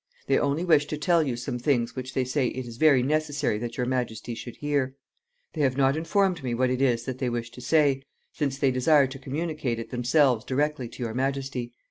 They only wish to tell you some things which they say it is very necessary that your majesty should hear. They have not informed me what it is that they wish to say, since they desire to communicate it themselves directly to your majesty."